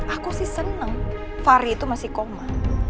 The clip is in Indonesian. aku sih seneng fari itu masih koma